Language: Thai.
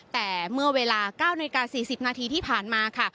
แต่เมื่อเวลา๙นาฬิกา๔๐นาทีที่ผ่านมาค่ะ